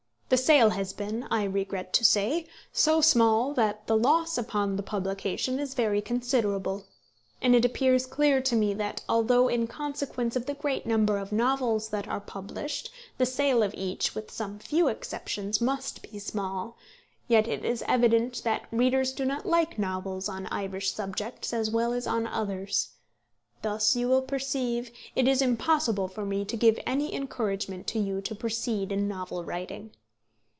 The sale has been, I regret to say, so small that the loss upon the publication is very considerable; and it appears clear to me that, although in consequence of the great number of novels that are published, the sale of each, with some few exceptions, must be small, yet it is evident that readers do not like novels on Irish subjects as well as on others. Thus you will perceive it is impossible for me to give any encouragement to you to proceed in novel writing.